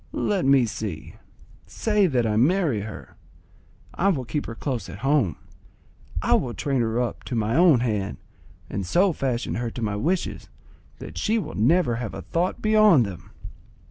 Let me see: say that I marry her; I will keep her close at home, I will train her up to my own hand, and so fashion her to my wishes that she will never have a thought beyond them!